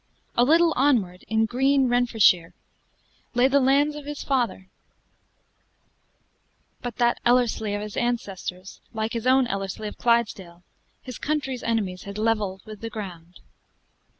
A little onward, in green Renfrewshire, lay the lands of his father; but that Ellerslie of his ancestors, like his own Ellerslie of Clydesdale, his country's enemies had leveled with the ground.